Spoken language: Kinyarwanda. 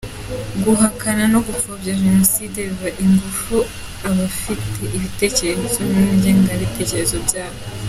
Guhakana no gupfobya Jenoside biha ingufu abafite ibitekerezo n’ingengabitekerezo byayo.